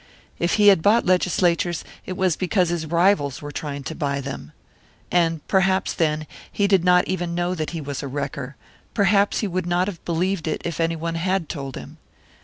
If he had bought legislatures, it was because his rivals were trying to buy them. And perhaps then he did not even know that he was a wrecker; perhaps he would not have believed it if anyone had told him!